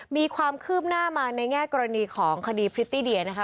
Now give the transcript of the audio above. มีความคืบหน้ามาในแง่กรณีของคดีพริตตี้เดียนะคะ